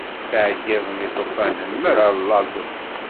Ttɛeyyiḍen iṭufanen mara llaẓen.